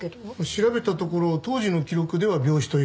調べたところ当時の記録では病死という事になっていますね。